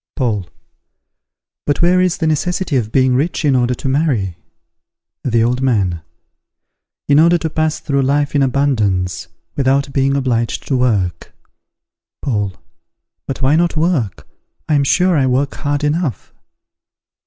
Paul. But where is the necessity of being rich in order to marry? The Old Man. In order to pass through life in abundance, without being obliged to work. Paul. But why not work? I am sure I work hard enough.